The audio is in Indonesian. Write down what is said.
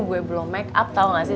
gue belum make up tahu gak sih